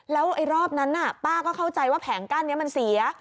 แล้วรอบนั้นป้าก็เข้าใจว่าแผงกั้นนี้มันเสีย